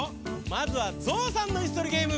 まずはゾウさんのいすとりゲーム。